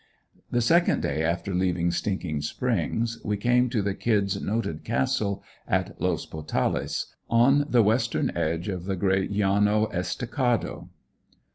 The second day after leaving Stinking Springs, we came to the "Kid's" noted "Castle" at Los Potales, on the western edge of the great "Llano Estacado."